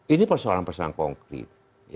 ini persoalan persoalan konkret